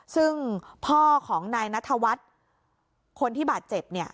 ซึ่งพ่อของนายนัทวัฒน์คนที่บาดเจ็บเนี่ย